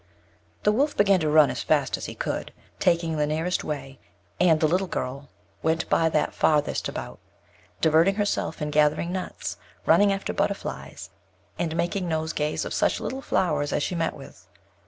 The Wolf began to run as fast as he could, taking the nearest way; and the little girl went by that farthest about, diverting herself in gathering nuts, running after butterflies, and making nosegays of such little flowers as she met with.